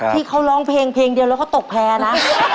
ที่เขาร้องเพลงเพลงเดียวแล้วเขาตกแพ้นะ